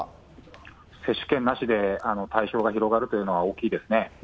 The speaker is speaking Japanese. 接種券なしで対象が広がるというのは、大きいですね。